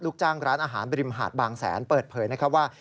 จ้างร้านอาหารบริมหาดบางแสนเปิดเผยนะครับว่า